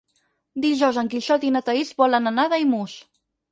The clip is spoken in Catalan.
Dijous en Quixot i na Thaís volen anar a Daimús.